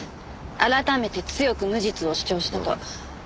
改めて強く無実を主張したと。